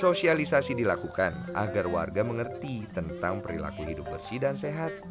sosialisasi dilakukan agar warga mengerti tentang perilaku hidup bersih dan sehat